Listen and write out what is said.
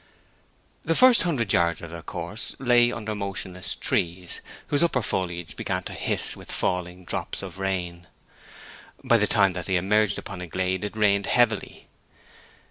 The first hundred yards of their course lay under motionless trees, whose upper foliage began to hiss with falling drops of rain. By the time that they emerged upon a glade it rained heavily.